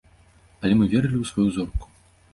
Але мы верылі ў сваю зорку.